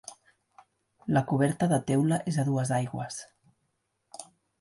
La coberta de teula és a dues aigües.